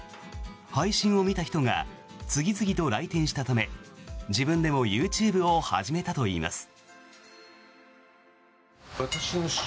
配信を見た人が次々と来店したため自分でもＹｏｕＴｕｂｅを始めたといいます。